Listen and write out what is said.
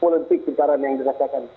sepuluh detik getaran yang dirasakan